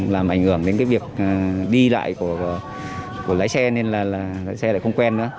làm ảnh hưởng đến cái việc đi lại của lái xe nên là lái xe lại không quen nữa